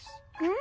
ん？